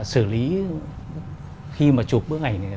sử lý khi mà chụp bức ảnh